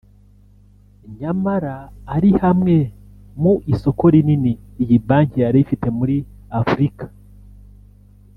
nyamara ari hamwe mu isoko rinini iyi banki yari ifite muri Afurika